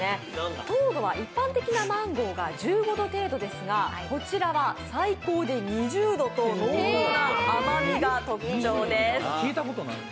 糖度は、一般的なマンゴーが１５度程度ですが、こちらは最高で２０度と濃厚な甘みが特徴です。